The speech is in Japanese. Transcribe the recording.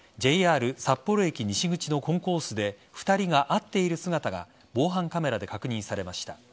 ＪＲ札幌駅西口のコンコースで２人が会っている姿が防犯カメラで確認されました。